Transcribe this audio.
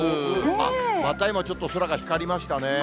あっ、また今、ちょっと空が光りましたね。